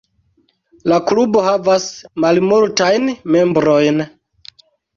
La klubo havas malmultajn membrojn.